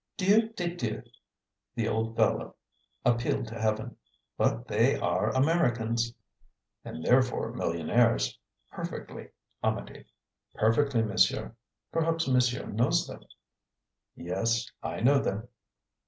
"Dieu de Dieu!" The old fellow appealed to heaven. "But they are Americans!" "And therefore millionaires. Perfectly, Amedee." "Perfectly, monsieur. Perhaps monsieur knows them." "Yes, I know them."